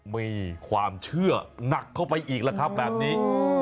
มีความเชื่อนักเข้าไปอีกแบบนี้